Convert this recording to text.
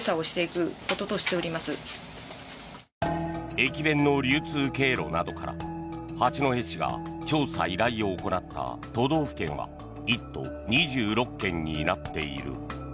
駅弁の流通経路などから八戸市が調査依頼を行った都道府県は１都２６県になっている。